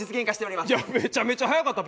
いやめちゃめちゃ早かった。